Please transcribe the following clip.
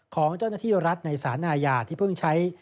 ของเจ้าหน้าที่รัฐในสารอาญาที่เพิ่งใช้